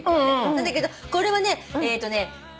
なんだけどこれはねえっと。